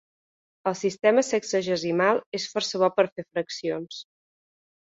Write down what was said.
El sistema sexagesimal és força bo per fer fraccions.